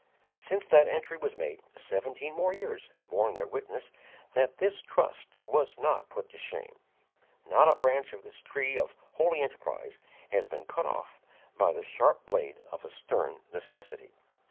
Since that entry was made, seventeen more years have borne their witness that this trust was not put to shame. Not a branch of this tree of holy enterprise has been cut off by the sharp blade of a stern necessity.